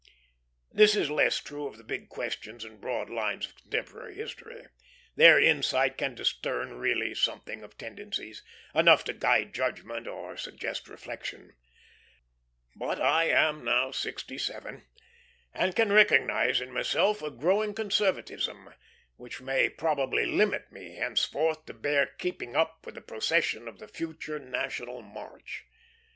This is less true of the big questions and broad lines of contemporary history. There insight can discern really something of tendencies; enough to guide judgment or suggest reflection. But I am now sixty seven, and can recognize in myself a growing conservatism, which may probably limit me henceforth to bare keeping up with the procession in the future national march.